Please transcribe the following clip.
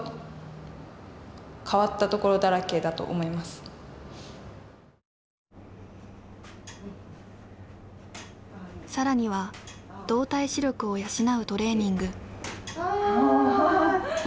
本当更には動体視力を養うトレーニング。